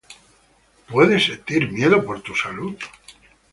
Puedes sentir miedo por tu salud